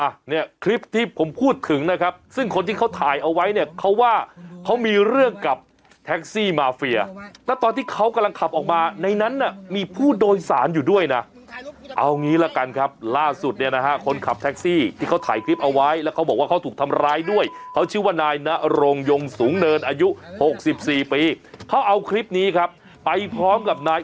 อ่ะเนี่ยคลิปที่ผมพูดถึงนะครับซึ่งคนที่เขาถ่ายเอาไว้เนี่ยเขาว่าเขามีเรื่องกับแท็กซี่มาเฟียแล้วตอนที่เขากำลังขับออกมาในนั้นน่ะมีผู้โดยสารอยู่ด้วยนะเอางี้ละกันครับล่าสุดเนี่ยนะฮะคนขับแท็กซี่ที่เขาถ่ายคลิปเอาไว้แล้วเขาบอกว่าเขาถูกทำร้ายด้วยเขาชื่อว่านายนรงยงสูงเนินอายุหกสิบสี่ปีเขาเอาคลิปนี้ครับไปพร้อมกับนาย